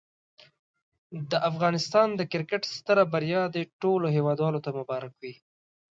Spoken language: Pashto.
د افغانستان د کرکټ ستره بریا دي ټولو هېوادوالو ته مبارک وي.